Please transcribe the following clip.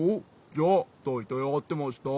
じゃあだいたいあってました。